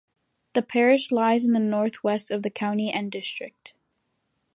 The parish lies in the north west of the county and district.